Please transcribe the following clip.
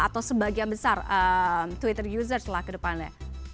atau sebagian besar twitter user setelah kedepannya